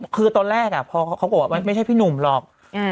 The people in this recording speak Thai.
คือตอนแรกพอเขาบอกว่ามันไม่ใช่พี่หนุ่มหรอก